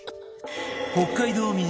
北海道民